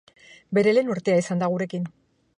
Beren lehen urtea izan da gurekin.